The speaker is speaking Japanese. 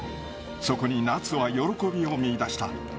そこに夏は喜びを見いだした。